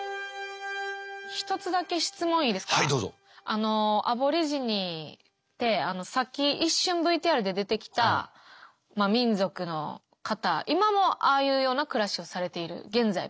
あのアボリジニってさっき一瞬ＶＴＲで出てきた民族の方今もああいうような暮らしをされている現在も。